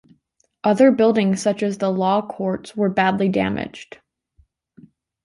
Other buildings, such as the Law Courts, were badly damaged.